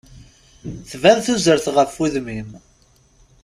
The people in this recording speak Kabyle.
Tban tuzert ɣef udem-im.